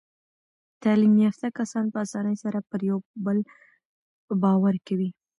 تعلیم یافته کسان په اسانۍ سره پر یو بل باور کوي.